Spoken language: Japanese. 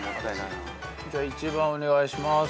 じゃ１番お願いします。